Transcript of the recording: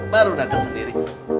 baru datang sendiri